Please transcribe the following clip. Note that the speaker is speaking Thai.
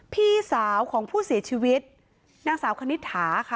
พี่สาวของผู้เสียชีวิตนางสาวคณิตถาค่ะ